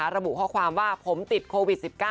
ระบุข้อความว่าผมติดโควิด๑๙